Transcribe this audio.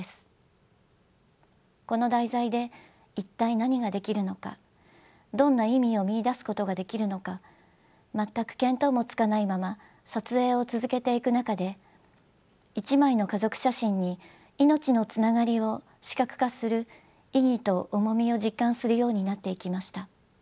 この題材で一体何ができるのかどんな意味を見いだすことができるのか全く見当もつかないまま撮影を続けていく中で一枚の家族写真に命のつながりを視覚化する意義と重みを実感するようになっていきました。